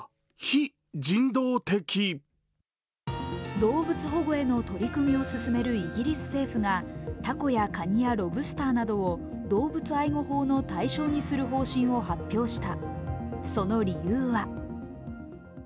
動物保護への取り組みを進めるイギリス政府がたこやかにやロブスターなどを動物愛護法の対象にする方針を発表した。